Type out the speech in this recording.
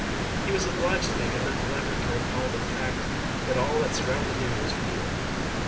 He was obliged to make a mental effort to recall the fact that all that surrounded him was real.